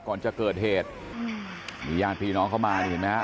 ก่อนจะเกิดเหตุมีญาติพี่น้องเข้ามานี่เห็นไหมฮะ